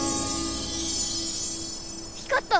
光った！